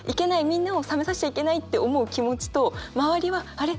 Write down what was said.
みんなを冷めさせちゃいけないって思う気持ちと周りはあれ？